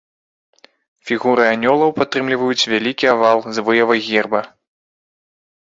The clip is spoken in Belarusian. Фігуры анёлаў падтрымліваюць вялікі авал з выявай герба.